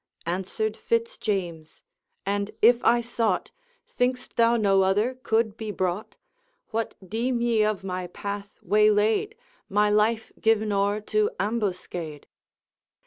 Answered Fitz James: 'And, if I sought, Think'st thou no other could be brought? What deem ye of my path waylaid? My life given o'er to ambuscade?'